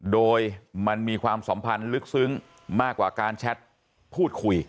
โดยมันมีความสัมพันธ์ลึกซึ้งมากกว่าการแชทพูดคุย